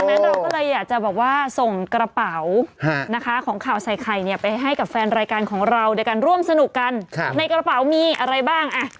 นั้นเราก็เลยอยากจะแบบว่าส่งกระเป๋านะคะของข่าวใส่ไข่เนี่ยไปให้กับแฟนรายการของเราโดยการร่วมสนุกกันในกระเป๋ามีอะไรบ้าง